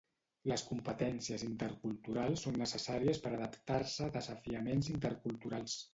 Les Competències Interculturals són necessàries per adaptar-se a desafiaments interculturals.